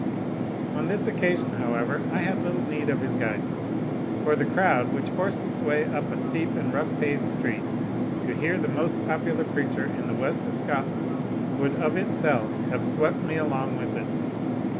On this occasion, however, I had little need of his guidance; for the crowd, which forced its way up a steep and rough paved street, to hear the most popular preacher in the west of Scotland, would of itself have swept me along with it.